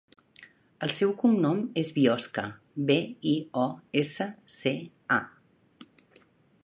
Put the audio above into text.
El seu cognom és Biosca: be, i, o, essa, ce, a.